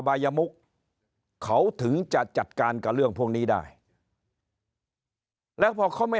บายมุกเขาถึงจะจัดการกับเรื่องพวกนี้ได้แล้วพอเขาไม่